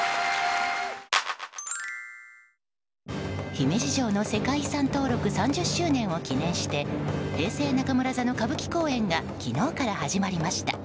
姫路城の世界遺産登録３０周年を記念して平成中村座の歌舞伎公演が昨日から始まりました。